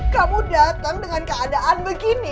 kamu datang dengan keadaan begini